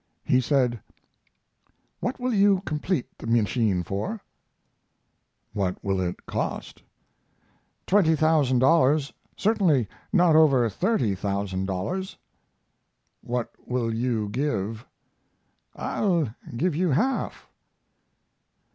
He said: "What will you complete the machine for?" "What will it cost?" "Twenty thousand dollars; certainly not over $30,000." "What will you give?" "I'll give you half."